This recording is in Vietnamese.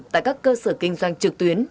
tại các cơ sở kinh doanh trực tuyến